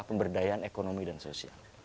pemberdayaan ekonomi dan sosial